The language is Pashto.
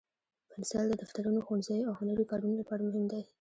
پنسل د دفترونو، ښوونځیو، او هنري کارونو لپاره مهم دی.